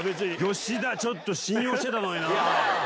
吉田ちょっと信用してたのにな。